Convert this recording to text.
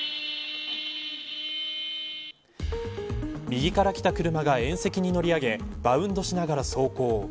右からきた車が縁石に乗り上げバウンドしながら走行。